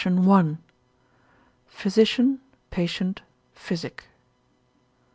I.—Physician, Patient, Physic.